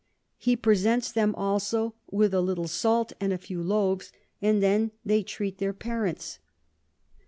He presents them also with a little Salt and a few Loaves, and then they treat their Parents.